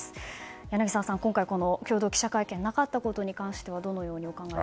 柳澤さん、今回この共同記者会見がなかったことについてはどのようにお考えですか。